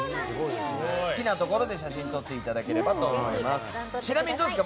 好きなところで写真撮っていただければと思います。